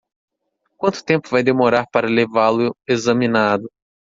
Quanto tempo vai demorar para levá-lo examinado?